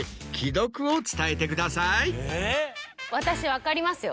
私分かりますよ。